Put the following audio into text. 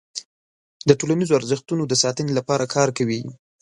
د ټولنیزو ارزښتونو د ساتنې لپاره کار کوي.